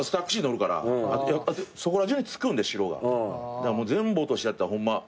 だから全部落としてやったらホンマ